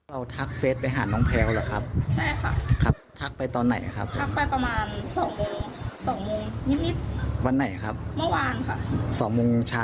แล้วมีคนอ่านไหม